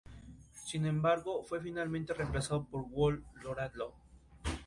En ambas, su lengua principal es el coreano.